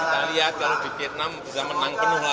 hati hati kita akan menang sampai ke dua